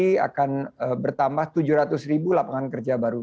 kita juga memiliki peluang untuk menambahkan lapangan kerja baru